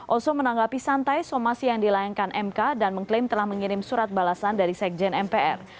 oso menanggapi santai somasi yang dilayangkan mk dan mengklaim telah mengirim surat balasan dari sekjen mpr